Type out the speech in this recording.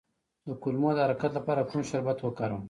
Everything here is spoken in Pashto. د کولمو د حرکت لپاره کوم شربت وکاروم؟